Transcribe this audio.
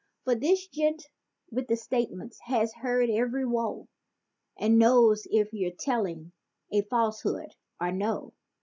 For this gent with the statements has heard every woe And knows if you're telling a falsehood or no.